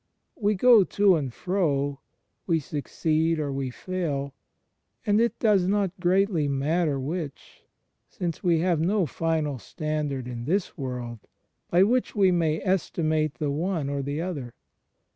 We go to and fro; we succeed or we fail; and it does not greatly matter which, since we have no final standard in this world by which we may estimate the one or the other.